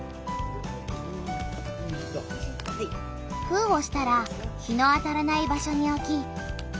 封をしたら日の当たらない場所におき